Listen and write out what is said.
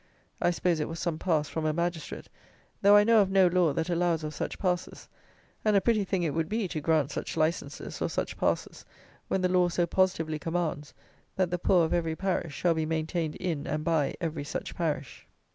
I suppose it was some pass from a Magistrate; though I know of no law that allows of such passes; and a pretty thing it would be, to grant such licenses, or such passes, when the law so positively commands, that the poor of every parish shall be maintained in and by every such parish.